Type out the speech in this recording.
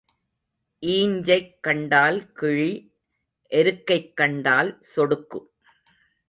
ஈஞ்சைக் கண்டால் கிழி எருக்கைக் கண்டால் சொடுக்கு.